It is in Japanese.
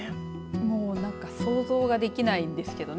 もう何か想像ができないんですけどね。